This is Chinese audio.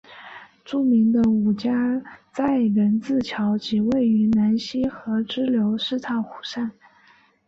著名的五家寨人字桥即位于南溪河支流四岔河上。